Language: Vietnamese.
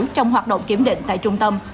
trong hoạt động kiểm định tại trung tâm